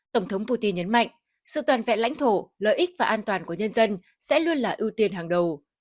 tổng thống putin nhấn mạnh sự toàn vẹn lãnh thổ lợi ích và an toàn của nhân dân sẽ luôn là ưu tiên hàng đầu